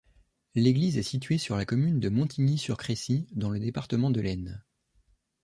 L'église est située sur la commune de Montigny-sur-Crécy, dans le département de l'Aisne.